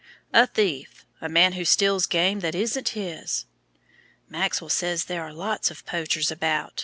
"A thief a man that steals game that isn't his." "Maxwell says there are lots of poachers about.